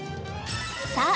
さあ